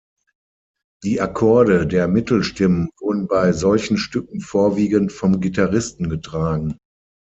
Die Akkorde der Mittelstimmen wurden bei solchen Stücken vorwiegend vom Gitarristen getragen.